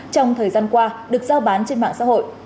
trong thời gian qua được giao bán trên mạng xã hội